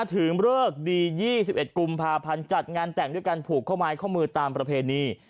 ถึงเลิกดี๒๑กุมภาพันธ์จัดงานแต่งด้วยการผูกข้อไม้ข้อมือตามประเพณี